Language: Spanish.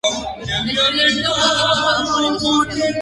El proyecto fue bien tomado por el Lic.